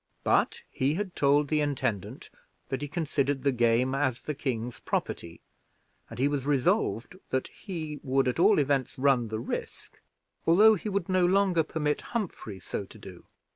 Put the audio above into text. But he had told the intendant that he considered the game as the king's property, and he was resolved that he would at all events run the risk, although he would no longer permit Humphrey so to do.